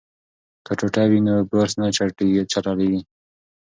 که ټوټه وي نو برس نه چټلیږي.